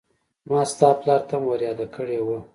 ما ستا پلار ته هم ور ياده کړې وه.